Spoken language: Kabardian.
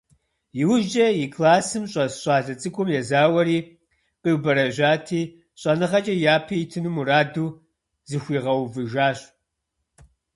Иужькӏэ и классым щӏэс щӏалэ цӏыкӏум езауэри, къиубэрэжьати, щӏэныгъэкӏэ япэ итыну мураду зыхуигъэувыжащ.